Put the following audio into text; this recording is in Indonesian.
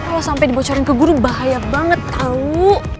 lo sampe dibocorin ke guru bahaya banget tau